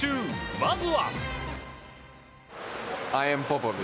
まずは。